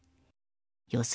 予想